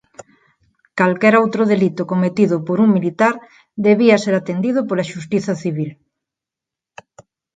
Calquera outro delito cometido por un militar debía ser atendido pola xustiza civil.